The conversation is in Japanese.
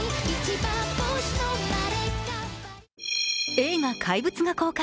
映画「怪物」が公開。